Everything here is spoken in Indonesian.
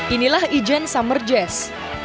inilah ijen summer jazz